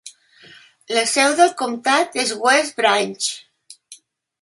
La seu del comtat és West Branch.